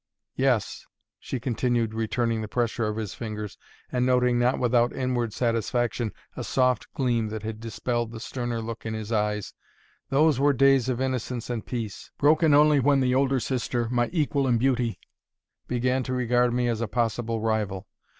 Yes " she continued, returning the pressure of his fingers and noting, not without inward satisfaction, a soft gleam that had dispelled the sterner look in his eyes, "those were days of innocence and peace, broken only when the older sister, my equal in beauty, began to regard me as a possible rival.